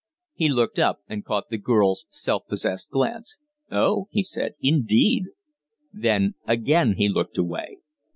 He looked up and caught the girl's self possessed glance. "Oh?" he said. "Indeed?" Then again he looked away.